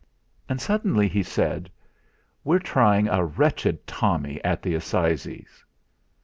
And suddenly he said: "We're trying a wretched Tommy at the assizes."